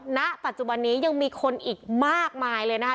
ณปัจจุบันนี้ยังมีคนอีกมากมายเลยนะคะ